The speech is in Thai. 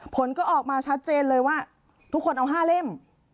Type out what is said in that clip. ผลก็ออกมาชัดเจนเลยว่าทุกคนเอา๕เล่ม